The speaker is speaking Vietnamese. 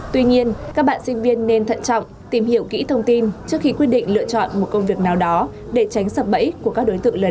tuy nhiên các bạn sinh viên nên thận trọng tìm hiểu kỹ thông tin trước khi quyết định lựa chọn một công việc nào đó để tránh sập bẫy của các đối tượng lừa đảo